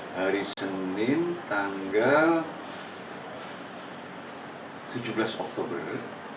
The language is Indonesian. hari senin tanggal tujuh belas oktober